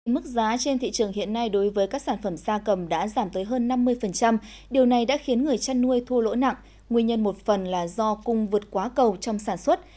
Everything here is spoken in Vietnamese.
mức giá trên thị trường hiện nay đối với các sản phẩm xa cầm đã giảm tới hơn năm mươi điều này đã khiến người chăn nuôi thua lỗ nặng nguyên nhân một phần là do cung vượt quá cầu trong sản xuất